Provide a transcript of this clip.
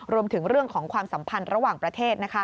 รวมถึงเรื่องของความสัมพันธ์ระหว่างประเทศ